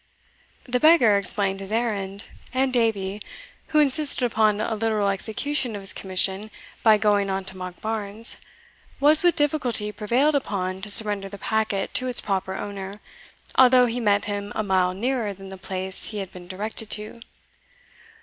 The beggar explained his errand, and Davie, who insisted upon a literal execution of his commission by going on to Monkbarns, was with difficulty prevailed upon to surrender the packet to its proper owner, although he met him a mile nearer than the place he had been directed to.